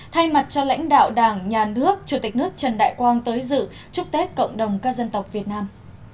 thay mặt cho lãnh đạo đảng nhà nước chủ tịch nước trần đại quang tới dự chúc tết cộng đồng các dân tộc việt nam